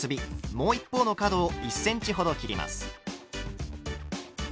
もう一方の角を１ｃｍほど切ります。